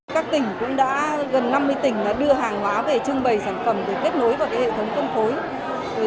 các tỉnh cũng đã gần năm mươi tỉnh đưa hàng hóa về trưng bày sản phẩm để kết nối vào hệ thống phân phối